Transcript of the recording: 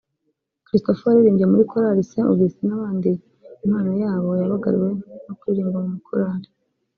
Christopher waririmbye muri korari Saint Augustin n’abandi impano yabo yabagariwe no kuririmba mu makorari